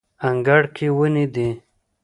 انګړ کې ونې دي